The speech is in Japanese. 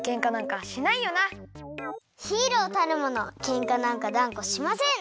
ヒーローたるものケンカなんかだんこしません！